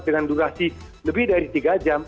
dengan durasi lebih dari tiga jam